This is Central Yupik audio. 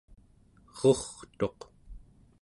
erurtuq